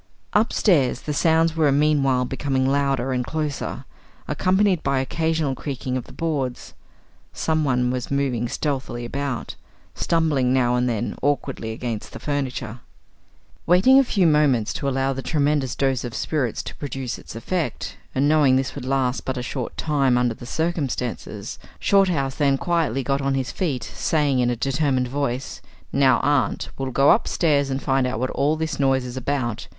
Upstairs, the sounds were meanwhile becoming louder and closer, accompanied by occasional creaking of the boards. Someone was moving stealthily about, stumbling now and then awkwardly against the furniture. Waiting a few moments to allow the tremendous dose of spirits to produce its effect, and knowing this would last but a short time under the circumstances, Shorthouse then quietly got on his feet, saying in a determined voice "Now, Aunt Julia, we'll go upstairs and find out what all this noise is about.